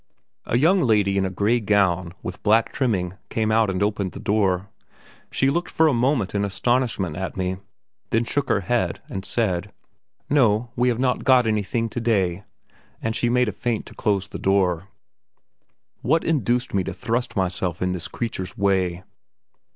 A young lady in a grey gown with black trimming came out and opened the door. She looked for a moment in astonishment at me, then shook her head and said: "No, we have not got anything today," and she made a feint to close the door. What induced me to thrust myself in this creature's way?